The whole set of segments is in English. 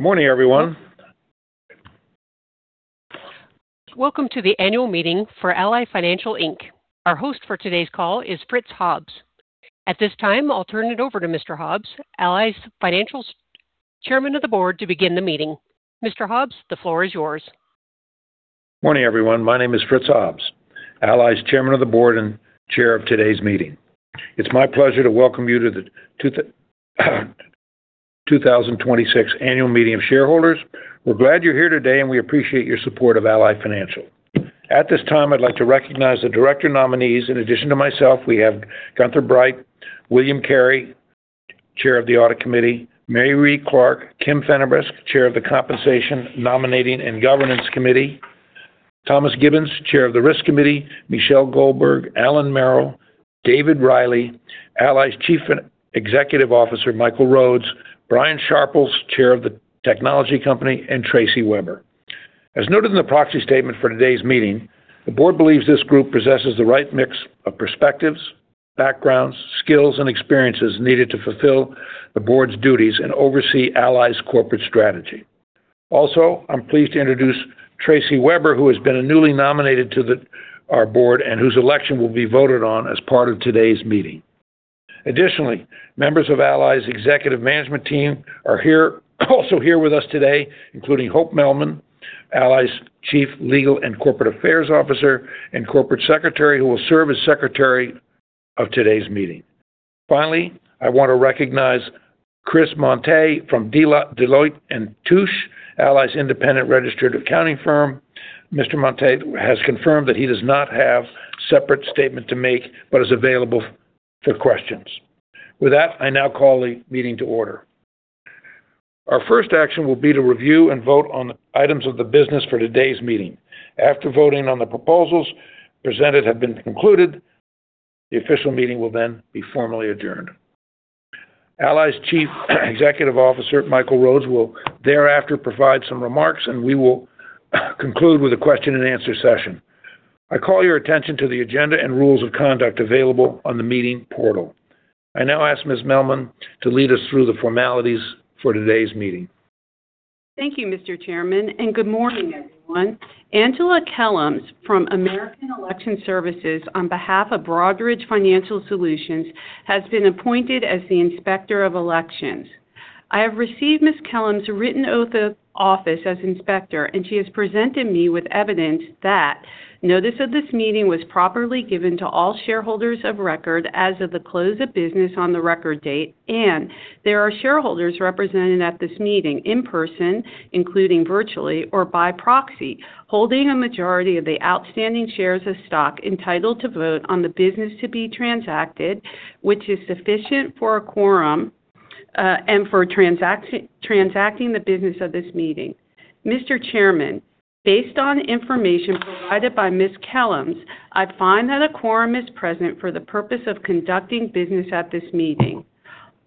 Good morning, everyone. Welcome to the annual meeting for Ally Financial Inc. Our host for today's call is Franklin Hobbs. At this time, I'll turn it over to Mr. Hobbs, Ally Financial's Chairman of the Board, to begin the meeting. Mr. Hobbs, the floor is yours. Morning, everyone. My name is Fritz Hobbs, Ally's Chairman of the Board and Chair of today's meeting. It's my pleasure to welcome you to the 26th Annual Meeting of Shareholders. We're glad you're here today, and we appreciate your support of Ally Financial. At this time, I'd like to recognize the director nominees. In addition to myself, we have Gunther Bright; William H. Cary, Chair of the Audit Committee; Mayree C. Clark; Kim Fennebresque, Chair of the Compensation, Nominating, and Governance Committee; Thomas Gibbons, Chair of the Risk Committee; Michelle Goldberg; Allan Merrill; David Reilly; Ally's Chief Executive Officer, Michael Rhodes; Brian Sharples, Chair of the Technology Committee; and Tracy Webber. As noted in the proxy statement for today's meeting, the board believes this group possesses the right mix of perspectives, backgrounds, skills, and experiences needed to fulfill the board's duties and oversee Ally's corporate strategy. I'm pleased to introduce Tracy Webber, who has been newly nominated to our board and whose election will be voted on as part of today's meeting. Members of Ally's executive management team are here, also here with us today, including Hope Mehlman, Ally's Chief Legal and Corporate Affairs Officer and Corporate Secretary, who will serve as Secretary of today's meeting. I want to recognize Chris Montay from Deloitte & Touche, Ally's independent registered accounting firm. Mr. Montay has confirmed that he does not have separate statement to make but is available for questions. With that, I now call the meeting to order. Our first action will be to review and vote on items of the business for today's meeting. After voting on the proposals presented have been concluded, the official meeting will then be formally adjourned. Ally's Chief Executive Officer, Michael Rhodes, will thereafter provide some remarks, and we will conclude with a question-and-answer session. I call your attention to the agenda and rules of conduct available on the meeting portal. I now ask Ms. Mehlman to lead us through the formalities for today's meeting. Thank you, Mr. Chairman, good morning, everyone. Angela Kellums from American Election Services on behalf of Broadridge Financial Solutions has been appointed as the Inspector of Elections. I have received Ms. Kellums' written oath of office as Inspector, and she has presented me with evidence that notice of this meeting was properly given to all shareholders of record as of the close of business on the record date and there are shareholders represented at this meeting in person, including virtually or by proxy, holding a majority of the outstanding shares of stock entitled to vote on the business to be transacted, which is sufficient for a quorum, and for transacting the business of this meeting. Mr. Chairman, based on information provided by Ms. Kellums, I find that a quorum is present for the purpose of conducting business at this meeting.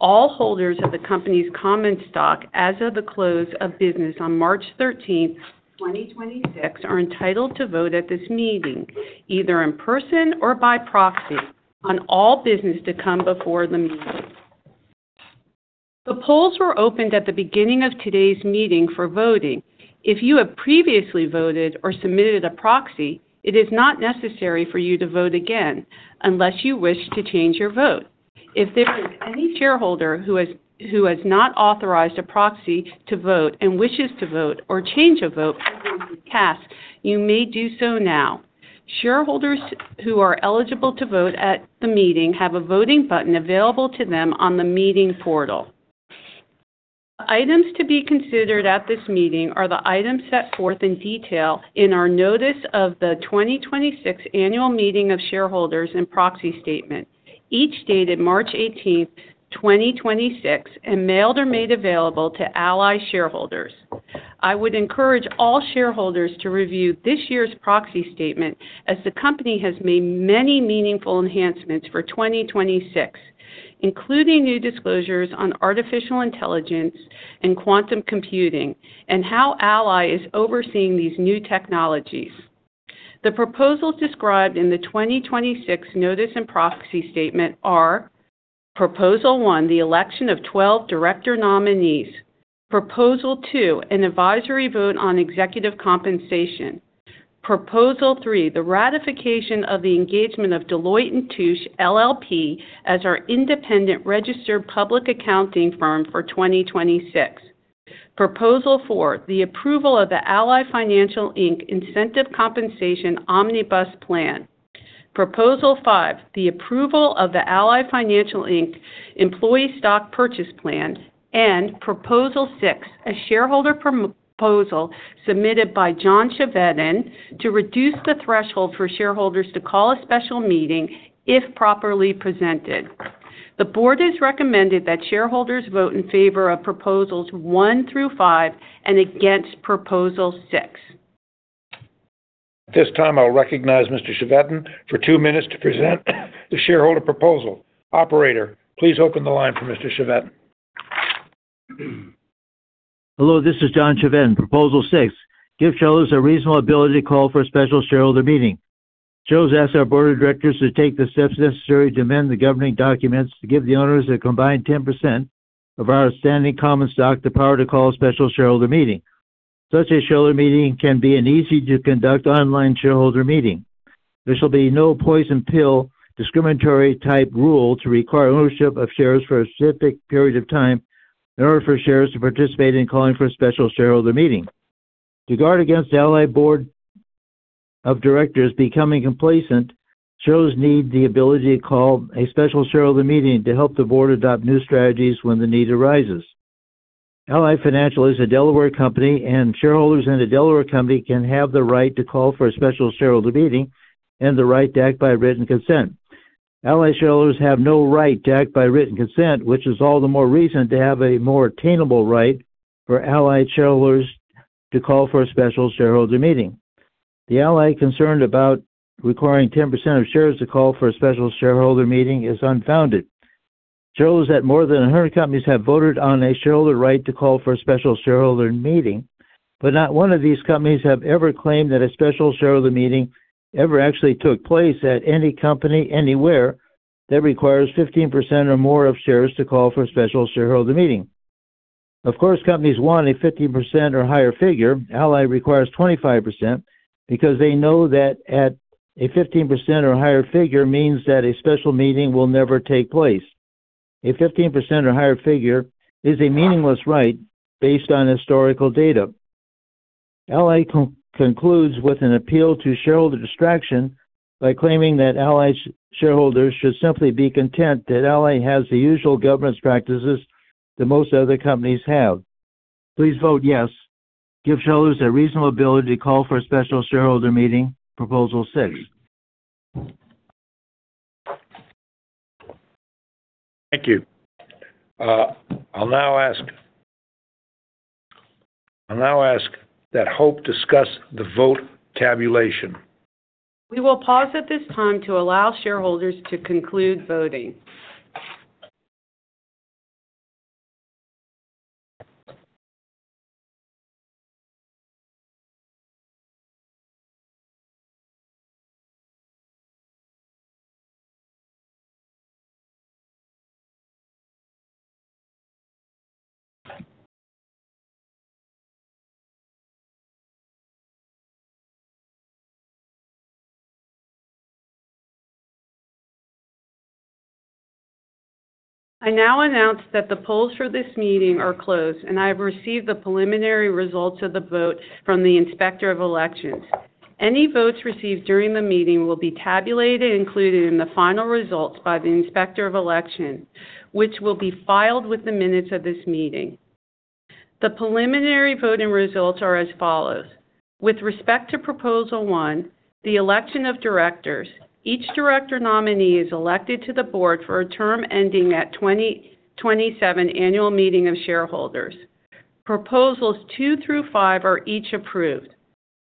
All holders of the company's common stock as of the close of business on March 13th, 2026 are entitled to vote at this meeting, either in person or by proxy, on all business to come before the meeting. The polls were opened at the beginning of today's meeting for voting. If you have previously voted or submitted a proxy, it is not necessary for you to vote again unless you wish to change your vote. If there is any shareholder who has not authorized a proxy to vote and wishes to vote or change a vote previously cast, you may do so now. Shareholders who are eligible to vote at the meeting have a voting button available to them on the meeting portal. Items to be considered at this meeting are the items set forth in detail in our notice of the 2026 Annual Meeting of Shareholders and Proxy Statement, each dated March 18th, 2026, and mailed or made available to Ally shareholders. I would encourage all shareholders to review this year's proxy statement as the company has made many meaningful enhancements for 2026, including new disclosures on artificial intelligence and quantum computing and how Ally is overseeing these new technologies. The proposals described in the 2026 notice and proxy statement are Proposal 1. The election of 12 director nominees. Proposal 2. An advisory vote on executive compensation. Proposal 3. The ratification of the engagement of Deloitte & Touche LLP as our independent registered public accounting firm for 2026. Proposal 4. The approval of the Ally Financial Inc. Incentive Compensation Omnibus Plan. Proposal 5: the approval of the Ally Financial Inc. Employee Stock Purchase Plan. Proposal 6: a shareholder pro-proposal submitted by John Chevedden to reduce the threshold for shareholders to call a special meeting if properly presented. The board has recommended that shareholders vote in favor of proposals 1 through 5 and against proposal 6. At this time, I'll recognize Mr. Chevedden for 2 minutes to present the shareholder proposal. Operator, please open the line for Mr. Chevedden. Hello, this is John Chevedden, Proposal 6, give shareholders a reasonable ability to call for a special shareholder meeting. Shareholders ask our Board of Directors to take the steps necessary to amend the governing documents to give the owners a combined 10% of our outstanding common stock the power to call a special shareholder meeting. Such a shareholder meeting can be an easy to conduct online shareholder meeting. There shall be no poison pill, discriminatory type rule to require ownership of shares for a specific period of time in order for shares to participate in calling for a special shareholder meeting. To guard against Ally Board of Directors becoming complacent, shareholders need the ability to call a special shareholder meeting to help the board adopt new strategies when the need arises. Ally Financial is a Delaware company, and shareholders in a Delaware company can have the right to call for a special shareholder meeting and the right to act by written consent. Ally shareholders have no right to act by written consent, which is all the more reason to have a more attainable right for Ally shareholders to call for a special shareholder meeting. The Ally concerned about requiring 10% of shares to call for a special shareholder meeting is unfounded. Shareholders at more than 100 companies have voted on a shareholder right to call for a special shareholder meeting, but not one of these companies have ever claimed that a special shareholder meeting ever actually took place at any company, anywhere that requires 15% or more of shares to call for a special shareholder meeting. Of course, companies want a 15% or higher figure. Ally requires 25% because they know that at a 15% or higher figure means that a special meeting will never take place. A 15% or higher figure is a meaningless right based on historical data. Ally concludes with an appeal to shareholder distraction by claiming that Ally shareholders should simply be content that Ally has the usual governance practices that most other companies have. Please vote yes. Give shareholders a reasonable ability to call for a special shareholder meeting. Proposal 6. Thank you. I'll now ask that Hope discuss the vote tabulation. We will pause at this time to allow shareholders to conclude voting. I now announce that the polls for this meeting are closed, and I have received the preliminary results of the vote from the Inspector of Elections. Any votes received during the meeting will be tabulated and included in the final results by the Inspector of Election, which will be filed with the minutes of this meeting. The preliminary voting results are as follows. With respect to proposal 1, the election of directors, each director nominee is elected to the Board for a term ending at 2027 annual meeting of shareholders. Proposals 2 through 5 are each approved.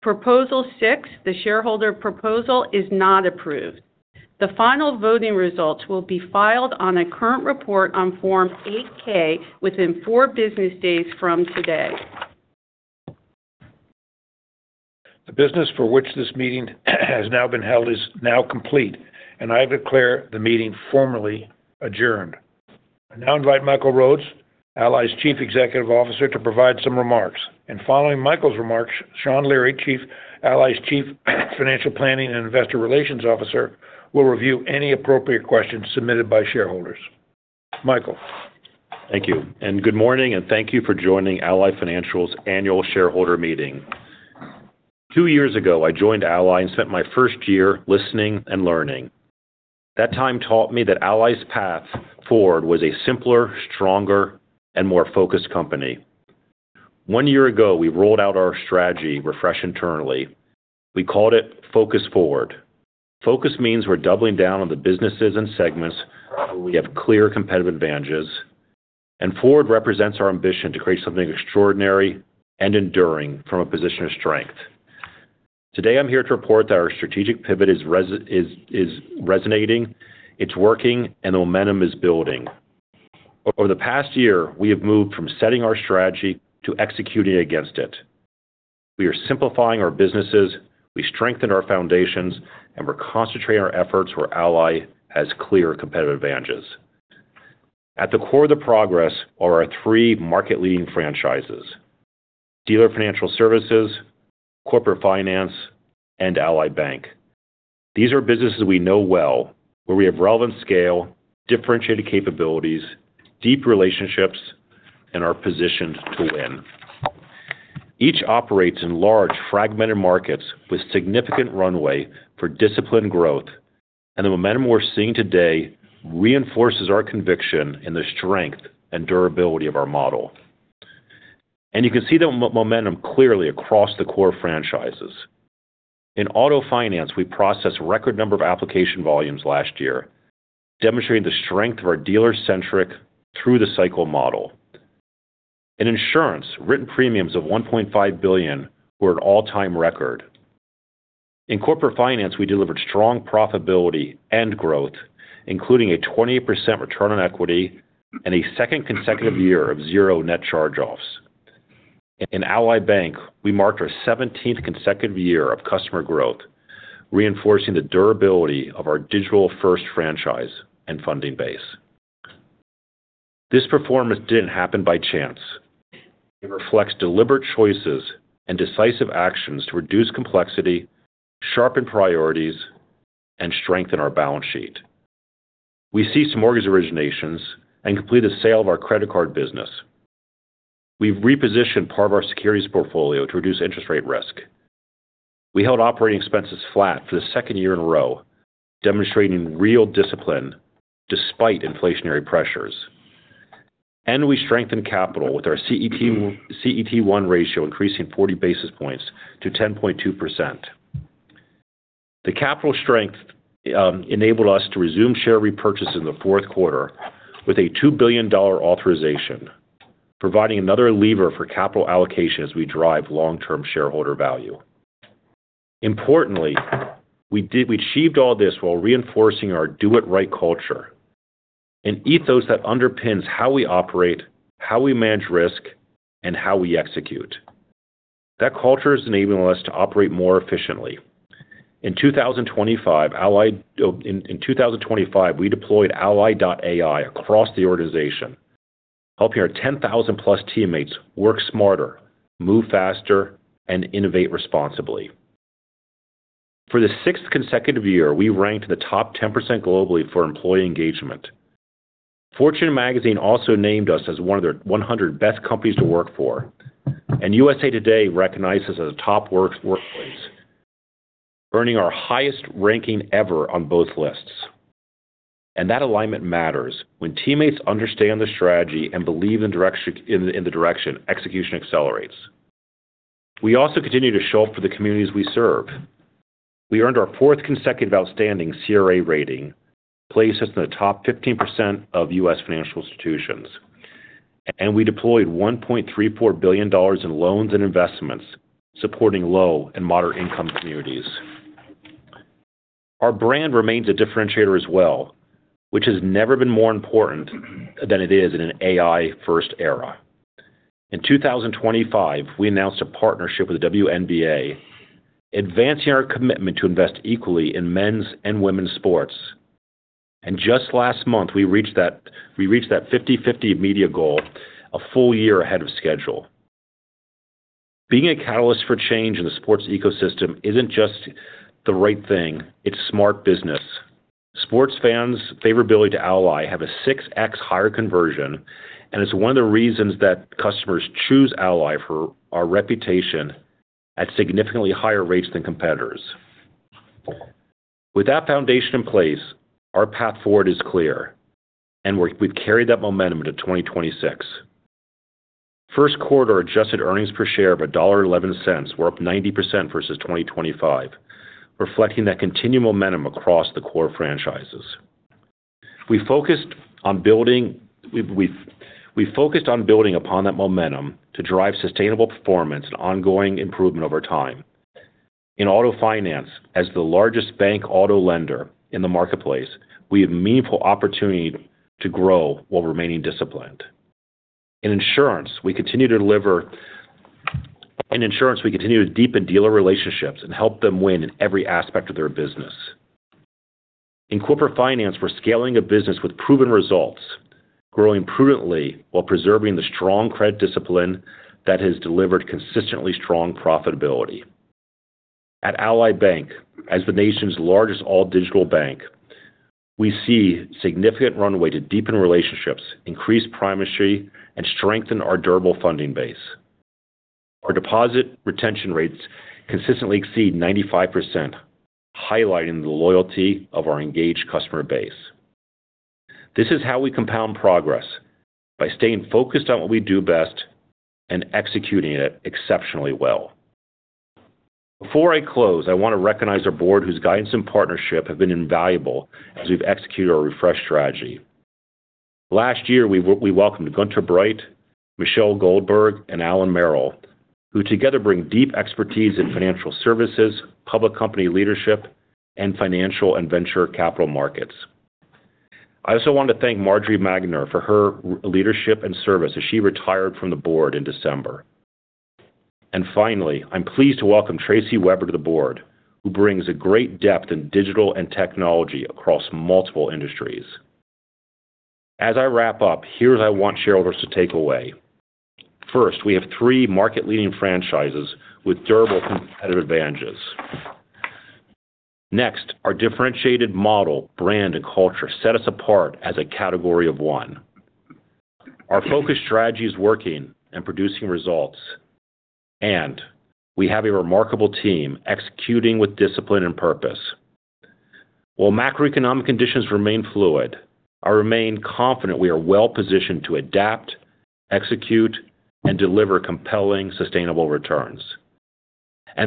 Proposal 6, the shareholder proposal is not approved. The final voting results will be filed on a current report on Form 8-K within 4 business days from today. The business for which this meeting has now been held is now complete, and I declare the meeting formally adjourned. I now invite Michael Rhodes, Ally's Chief Executive Officer, to provide some remarks. Following Michael's remarks, Sean Leary, Ally's Chief Financial Planning and Investor Relations Officer, will review any appropriate questions submitted by shareholders. Michael. Thank you. Good morning, and thank you for joining Ally Financial's annual shareholder meeting. 2 years ago, I joined Ally and spent my first year listening and learning. That time taught me that Ally's path forward was a simpler, stronger, and more focused company. 1 year ago, we rolled out our strategy refresh internally. We called it Focus Forward. Focus means we're doubling down on the businesses and segments where we have clear competitive advantages, and forward represents our ambition to create something extraordinary and enduring from a position of strength. Today, I'm here to report that our strategic pivot is resonating, it's working, and momentum is building. Over the past year, we have moved from setting our strategy to executing against it. We are simplifying our businesses, we strengthened our foundations, and we're concentrating our efforts where Ally has clear competitive advantages. At the core of the progress are our 3 market-leading franchises: Dealer Financial Services, Corporate Finance, and Ally Bank. These are businesses we know well, where we have relevant scale, differentiated capabilities, deep relationships, and are positioned to win. Each operates in large, fragmented markets with significant runway for disciplined growth. The momentum we're seeing today reinforces our conviction in the strength and durability of our model. You can see the momentum clearly across the core franchises. In Auto Finance, we processed a record number of application volumes last year, demonstrating the strength of our dealer-centric through the cycle model. In insurance, written premiums of $1.5 billion were an all-time record. In Corporate Finance, we delivered strong profitability and growth, including a 28% return on equity and a 2nd consecutive year of 0 net charge-offs. In Ally Bank, we marked our 17th consecutive year of customer growth, reinforcing the durability of our digital-first franchise and funding base. This performance didn't happen by chance. It reflects deliberate choices and decisive actions to reduce complexity, sharpen priorities, and strengthen our balance sheet. We ceased mortgage originations and completed the sale of our credit card business. We've repositioned part of our securities portfolio to reduce interest rate risk. We held operating expenses flat for the 2nd year in a row, demonstrating real discipline despite inflationary pressures. We strengthened capital with our CET1 ratio increasing 40 basis points to 10.2%. The capital strength enabled us to resume share repurchase in the fourth quarter with a $2 billion authorization, providing another lever for capital allocation as we drive long-term shareholder value. Importantly, we achieved all this while reinforcing our do-it-right culture, an ethos that underpins how we operate, how we manage risk, and how we execute. That culture is enabling us to operate more efficiently. In 2025, we deployed Ally.ai across the organization, helping our 10,000-plus teammates work smarter, move faster, and innovate responsibly. For the sixth consecutive year, we ranked in the top 10% globally for employee engagement. Fortune Magazine also named us as one of their 100 best companies to work for, USA Today recognized us as a top workplace, earning our highest ranking ever on both lists. That alignment matters. When teammates understand the strategy and believe in the direction, execution accelerates. We also continue to show up for the communities we serve. We earned our 4th consecutive outstanding CRA rating, placing us in the top 15% of U.S. financial institutions. We deployed $1.34 billion in loans and investments supporting low and moderate-income communities. Our brand remains a differentiator as well, which has never been more important than it is in an AI-first era. In 2025, we announced a partnership with the WNBA, advancing our commitment to invest equally in men's and women's sports. Just last month, we reached that 50/50 media goal a full year ahead of schedule. Being a catalyst for change in the sports ecosystem isn't just the right thing, it's smart business. Sports fans' favorability to Ally have a 6x higher conversion, and it's one of the reasons that customers choose Ally for our reputation at significantly higher rates than competitors. With that foundation in place, our path forward is clear, and we carried that momentum into 2026. First quarter adjusted earnings per share of $1.11 were up 90% versus 2025, reflecting that continued momentum across the core franchises. We focused on building upon that momentum to drive sustainable performance and ongoing improvement over time. In Auto Finance, as the largest bank auto lender in the marketplace, we have meaningful opportunity to grow while remaining disciplined. In Insurance, we continue to deepen dealer relationships and help them win in every aspect of their business. In Corporate Finance, we're scaling a business with proven results, growing prudently while preserving the strong credit discipline that has delivered consistently strong profitability. At Ally Bank, as the nation's largest all-digital bank, we see significant runway to deepen relationships, increase primacy, and strengthen our durable funding base. Our deposit retention rates consistently exceed 95%, highlighting the loyalty of our engaged customer base. This is how we compound progress, by staying focused on what we do best and executing it exceptionally well. Before I close, I want to recognize our board, whose guidance and partnership have been invaluable as we've executed our refreshed strategy. Last year, we welcomed Gunther Bright, Michelle Goldberg, and Allan Merrill, who together bring deep expertise in financial services, public company leadership, and financial and venture capital markets. I also want to thank Marjorie Magner for her leadership and service as she retired from the board in December. Finally, I'm pleased to welcome Tracy Webber to the board, who brings a great depth in digital and technology across multiple industries. As I wrap up, here's what I want shareholders to take away. First, we have 3 market-leading franchises with durable competitive advantages. Next, our differentiated model, brand, and culture set us apart as a category of 1. Our focused strategy is working and producing results, and we have a remarkable team executing with discipline and purpose. While macroeconomic conditions remain fluid, I remain confident we are well-positioned to adapt, execute, and deliver compelling, sustainable returns.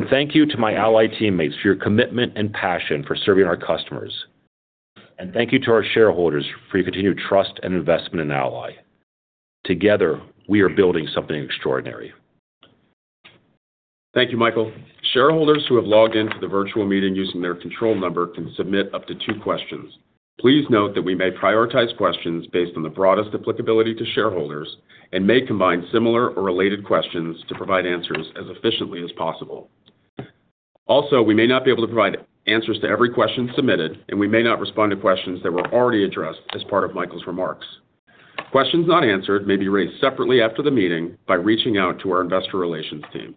Thank you to my Ally teammates for your commitment and passion for serving our customers. Thank you to our shareholders for your continued trust and investment in Ally. Together, we are building something extraordinary. Thank you, Michael. Shareholders who have logged into the virtual meeting using their control number can submit up to 2 questions. Please note that we may prioritize questions based on the broadest applicability to shareholders and may combine similar or related questions to provide answers as efficiently as possible. Also, we may not be able to provide answers to every question submitted, and we may not respond to questions that were already addressed as part of Michael's remarks. Questions not answered may be raised separately after the meeting by reaching out to our investor relations team.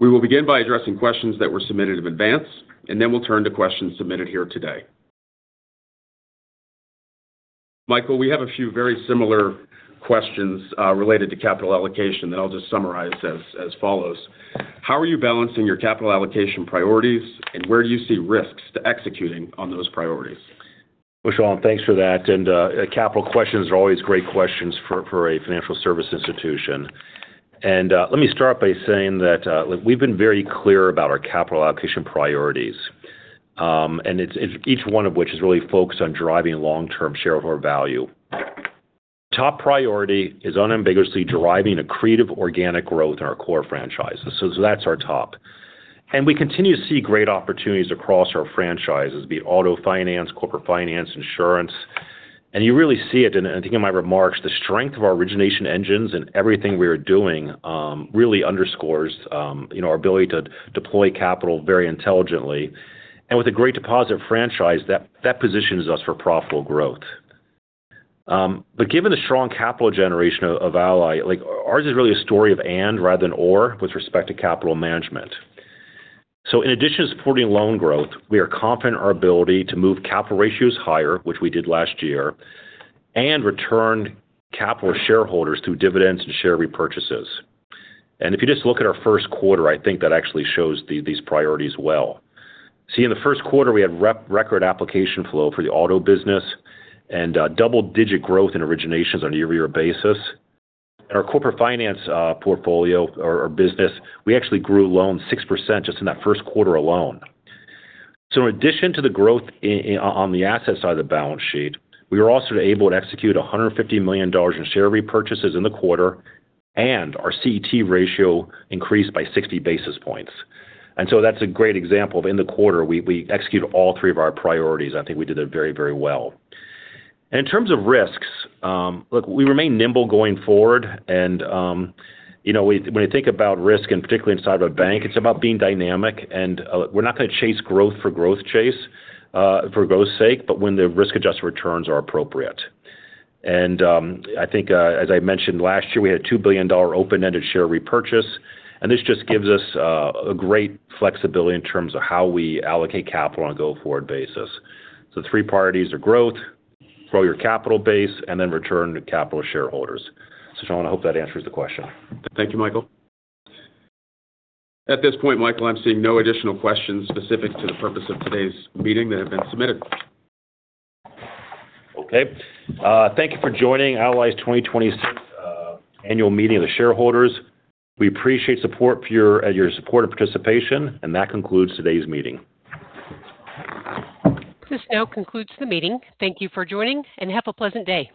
We will begin by addressing questions that were submitted in advance, and then we'll turn to questions submitted here today. Michael, we have a few very similar questions, related to capital allocation that I'll just summarize as follows: How are you balancing your capital allocation priorities, and where do you see risks to executing on those priorities? Well, Sean, thanks for that. Capital questions are always great questions for a financial service institution. Let me start by saying that we've been very clear about our capital allocation priorities, and it's each one of which is really focused on driving long-term shareholder value. Top priority is unambiguously deriving accretive organic growth in our core franchises. That's our top. We continue to see great opportunities across our franchises, be it Auto Finance, Corporate Finance, insurance. You really see it in, I think, in my remarks. The strength of our origination engines and everything we are doing, really underscores, you know, our ability to deploy capital very intelligently. With a great deposit franchise that positions us for profitable growth. Given the strong capital generation of Ally, like ours is really a story of and rather than or with respect to capital management. In addition to supporting loan growth, we are confident in our ability to move capital ratios higher, which we did last year, and return capital to shareholders through dividends and share repurchases. If you just look at our first quarter, I think that actually shows these priorities well. See, in the first quarter, we had record application flow for the auto business and double-digit growth in originations on a year-over-year basis. In our Corporate Finance portfolio or business, we actually grew loans 6% just in that first quarter alone. In addition to the growth on the asset side of the balance sheet, we were also able to execute $150 million in share repurchases in the quarter, and our CET ratio increased by 60 basis points. That's a great example of in the quarter, we executed all 3 of our priorities. I think we did it very, very well. In terms of risks, look, we remain nimble going forward and, you know, when you think about risk, and particularly inside of a bank, it's about being dynamic. We're not going to chase growth for growth's sake, but when the risk-adjusted returns are appropriate. I think, as I mentioned last year, we had a $2 billion open-ended share repurchase. This just gives us a great flexibility in terms of how we allocate capital on a go-forward basis. The 3 priorities are growth, grow your capital base, and then return to capital shareholders. Sean, I hope that answers the question. Thank you, Michael. At this point, Michael, I'm seeing no additional questions specific to the purpose of today's meeting that have been submitted. Okay. Thank you for joining Ally's 2026 annual meeting of the shareholders. We appreciate your support and participation. That concludes today's meeting. This now concludes the meeting. Thank you for joining, and have a pleasant day.